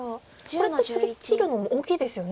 これって次切るのも大きいですよね。